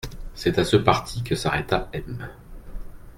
C'est à ce parti que s'arrêta M.